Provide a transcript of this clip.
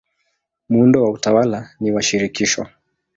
Muundo wa utawala ni wa shirikisho.